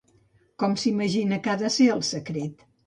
Com s'imagina que ha de ser el secret?